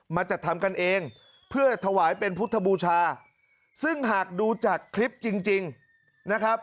มาจัดทำกันเองเพื่อถวายที่จะเป็นพุธบูชา